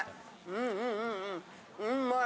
うんうんうまい！